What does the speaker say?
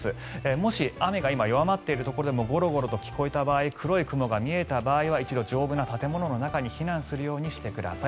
もし雨が今、弱まっているところでもゴロゴロと聞こえたり黒い雲が見えた場合は一度、丈夫な建物の中に避難してください。